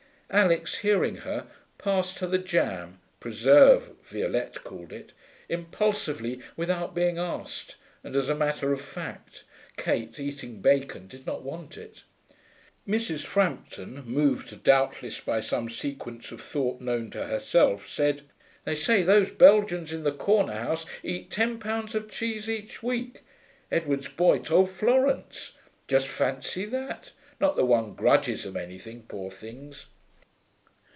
Alix, hearing her, passed her the jam (preserve, Violette called it) impulsively, without being asked; and as a matter of fact, Kate, eating bacon, did not want it. Mrs. Frampton, moved doubtless by some sequence of thought known to herself, said, 'They say those Belgians in the corner house eat ten pounds of cheese each week. Edwards' boy told Florence. Just fancy that. Not that one grudges them anything, poor things.'